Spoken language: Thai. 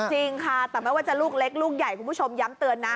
จริงค่ะแต่ไม่ว่าจะลูกเล็กลูกใหญ่คุณผู้ชมย้ำเตือนนะ